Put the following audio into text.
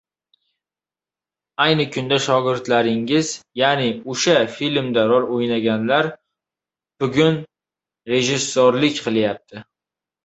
Ayni kunda shogirdlaringiz, ya’ni o‘sha filmda rol o‘ynaganlar bugunrejissyorlik qilyapti.